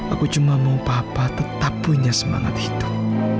aku cuma mau papa tetap punya semangat hidup